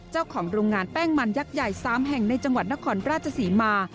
เจ้าของโรงงานแป้งมันยักษ์ใหญ่๓แห่งในจังหวัดนครราชศรีมา